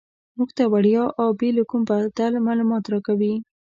موږ ته وړیا او بې له کوم بدل معلومات راکوي.